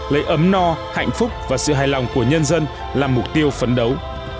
lấy ấm no hạnh phúc và sự hài lòng của nhân dân là mục tiêu phấn đấu